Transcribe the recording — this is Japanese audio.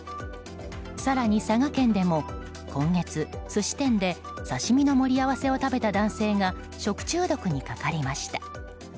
更に佐賀県でも今月寿司店で刺し身の盛り合わせを食べた男性が食中毒にかかりました。